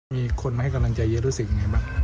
มีคนมาให้กำลังใจเยอะรู้สึกยังไงบ้าง